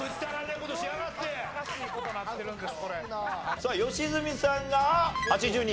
さあ良純さんが８２。